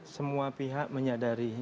semua pihak menyadari